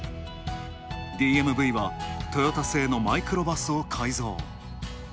ＤＭＶはトヨタ製のマイクロバスを改造。